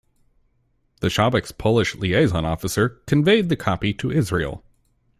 The Shabak's Polish liaison officer conveyed the copy to Israel.